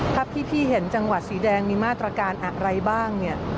ครับที่พี่เห็นจังหวัดสีแดงมีมาตรการอะไรบ้าง